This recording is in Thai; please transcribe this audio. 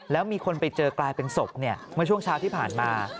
แล้วมีคนไปเจอกลายเป็นศพเมื่อช่วงเช้าที่ผ่านมา